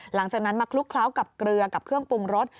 หลังจากนั้นมาคลุกเคล้ากับเกลือกับเครื่องปรุงรส